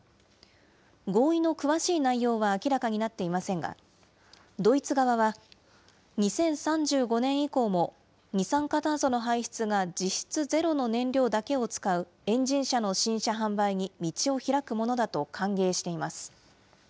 合意の詳しい内容は明らかになっていませんが、ドイツ側は、２０３５年以降も二酸化炭素の排出が実質ゼロの燃料だけを使うエンジン車の新車販売に道を開くものだと歓迎しています。